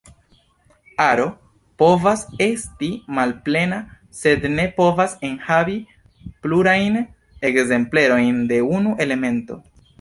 Aro povas esti malplena, sed ne povas enhavi plurajn ekzemplerojn de unu elemento.